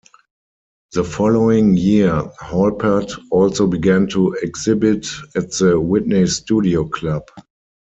The following year Halpert also began to exhibit at the Whitney Studio Club.